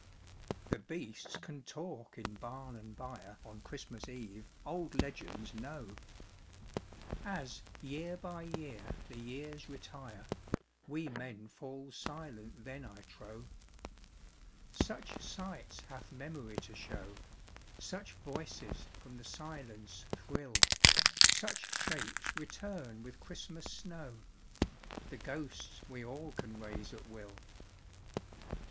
The beasts can talk in barn and byre On Christmas Eve, old legends know, As year by year the years retire, We men fall silent then I trow, Such sights hath Memory to show, Such voices from the silence thrill, Such shapes return with Christmas snow, ŌĆö The ghosts we all can raise at will.